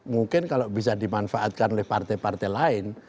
mungkin kalau bisa dimanfaatkan oleh partai partai lain